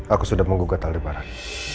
aku sudah menggugat hal di barang